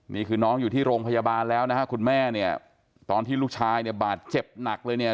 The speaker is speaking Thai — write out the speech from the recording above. นี่คือน้องอยู่ที่โรงพยาบาลแล้วนะฮะคุณแม่เนี่ยตอนที่ลูกชายเนี่ยบาดเจ็บหนักเลยเนี่ย